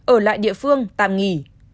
ở lại địa phương tạm nghỉ